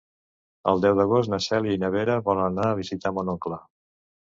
El deu d'agost na Cèlia i na Vera volen anar a visitar mon oncle.